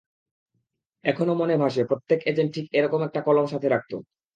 এখনো মনে ভাসে, প্রত্যেক এজেন্ট ঠিক এরকম একটা কলম সাথে রাখতো।